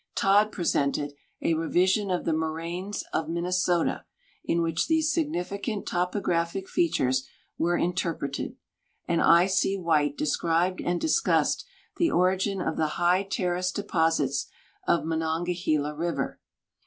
Todd presented " A Revision of the Moraines of Minnesota," in which these significant topographic features w'ere interpreted ; and I. C. White described and discussed the "Origin of the High Terrace Deposits of Monongahela River."